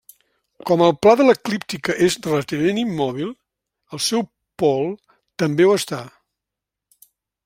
Com el pla de l'eclíptica és relativament immòbil, el seu pol també ho està.